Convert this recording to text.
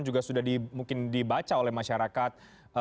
juga sudah mungkin dibaca oleh masyarakat